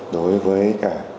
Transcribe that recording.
đối với cả